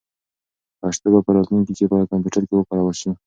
پښتو به په راتلونکي کې په کمپیوټر کې وکارول شي.